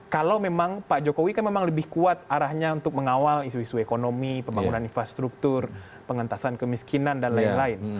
kalau memang pak jokowi kan memang lebih kuat arahnya untuk mengawal isu isu ekonomi pembangunan infrastruktur pengentasan kemiskinan dan lain lain